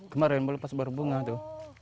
kemarin baru lepas baru bunga itu